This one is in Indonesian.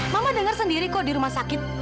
mama dengar sendiri kok di rumah sakit